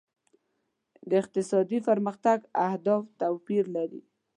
د اقتصادي پرمختګ اهداف توپیر لري.